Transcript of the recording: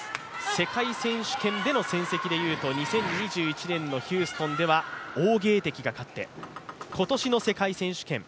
世界選手権での戦績でいうと２０２１年のヒューストンでは王ゲイ迪が勝って、今年の世界選手権